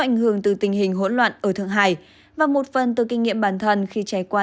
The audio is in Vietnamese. ảnh hưởng từ tình hình hỗn loạn ở thượng hải và một phần từ kinh nghiệm bản thân khi trải qua